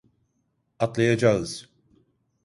Atlayacağız.